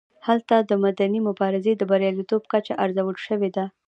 هلته د مدني مبارزې د بریالیتوب کچه ارزول شوې ده.